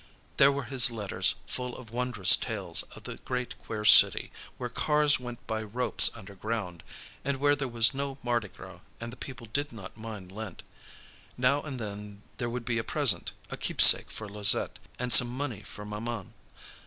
There were his letters, full of wondrous tales of the great queer city, where cars went by ropes underground, and where there was no Mardi Gras and the people did not mind Lent. Now and then there would be a present, a keepsake for Louisette, and some money for maman.